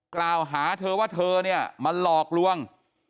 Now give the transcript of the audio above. กล่าวหาเธอว่าเธอเนี่ยมาหลอกลวง